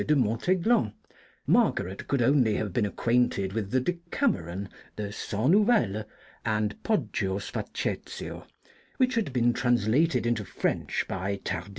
de Montaiglon, Margaret could only have been acquainted with the Decameron, the Cent Nouvelles, and Poggio's Facetia, which had been translated into French by Tardix (see Nos.